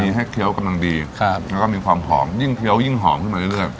มีให้เคี้ยวกำลังดีครับแล้วก็มีความหอมยิ่งเคี้ยวยิ่งหอมขึ้นมาเรื่อย